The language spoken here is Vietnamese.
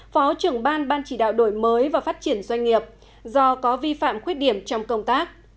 phó trưởng ban ban chỉ đạo đổi mới và phát triển doanh nghiệp do có vi phạm khuyết điểm trong công tác